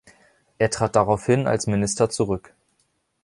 Er trat daraufhin als Minister zurück.